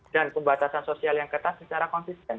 dan pembatasan sosial yang ketat secara konsisten